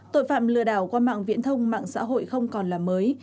tội phạm lừa đảo qua mạng viễn thông mạng xã hội không còn là mới